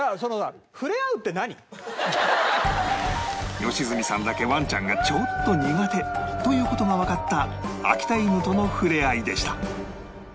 良純さんだけワンちゃんがちょっと苦手という事がわかった秋田犬との触れ合いでした